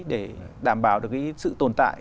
để đảm bảo được cái sự tồn tại